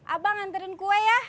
abang anterin gue ya